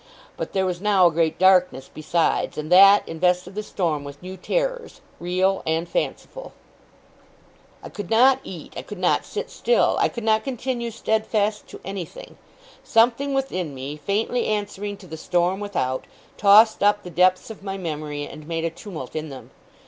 But there was now a great darkness besides; and that invested the storm with new terrors, real and fanciful. I could not eat, I could not sit still, I could not continue steadfast to anything. Something within me, faintly answering to the storm without, tossed up the depths of my memory and made a tumult in them.